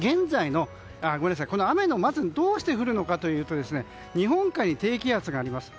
この雨がどうして降るのかというと日本海に低気圧があります。